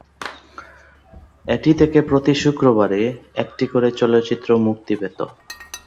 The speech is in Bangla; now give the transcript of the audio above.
এটি থেকে প্রতি শুক্রবারে একটি করে চলচ্চিত্র মুক্তি পেত।